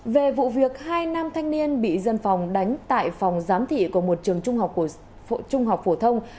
về vụ việc hai nam thanh niên bị dân phòng đánh tại phòng giám thị của một trường trung học phổ thông